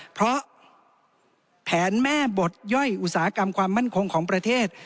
เพราะแผนแม่บทย่อยอุตสาหกรรมความมั่นคงของประเทศ